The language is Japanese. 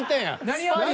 何を？